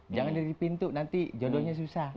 jangan ada di pintu nanti jodohnya susah